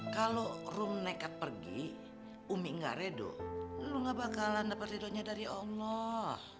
kalau rum nekat pergi umi gak redo lu gak bakalan dapat ridonya dari allah